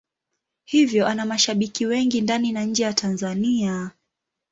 Hivyo ana mashabiki wengi ndani na nje ya Tanzania.